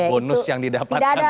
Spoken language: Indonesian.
bonus yang didapatkan